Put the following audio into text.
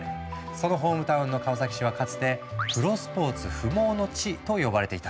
そのホームタウンの川崎市はかつて「プロスポーツ不毛の地」と呼ばれていたんだ。